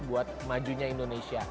buat majunya indonesia